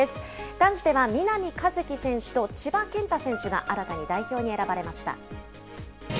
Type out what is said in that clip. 男子では南一輝選手と千葉健太選手が新たに代表に選ばれました。